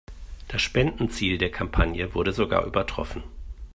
Das Spendenziel der Kampagne wurde sogar übertroffen.